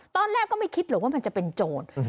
ตอนแรกก็ไม่คิดหรอกว่ามันจะเป็นโจร